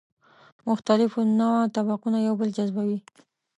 مختلف النوع قطبونه یو بل جذبوي.